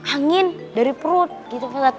angin dari perut gitu